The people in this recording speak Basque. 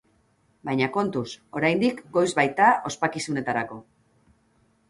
Baina kontuz, oraindik goiz baita ospakizunetarako.